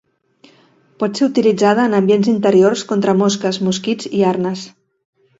Pot ser utilitzada en ambients interiors contra mosques, mosquits i arnes.